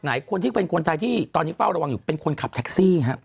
คนที่เป็นคนไทยที่ตอนนี้เฝ้าระวังอยู่เป็นคนขับแท็กซี่ฮะ